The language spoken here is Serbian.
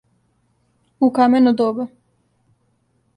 У камено доба.